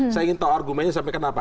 saya ingin tahu argumennya sampai kenapa